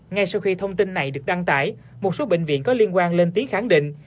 ngay sau khi thông tin này được đăng tải một số bệnh viện có liên quan lên tiếng khẳng định